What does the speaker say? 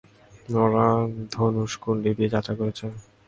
ওরা ধানুষকুডি দিয়ে যাত্রা করছে।